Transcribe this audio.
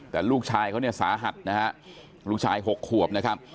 แต่ลูกชายเขาเนี่ยสาหัสนะฮะลูกชาย๖ขวบนะครับ